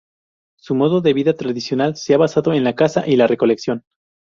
Su modo de vida tradicional, se ha basado en la caza y la recolección.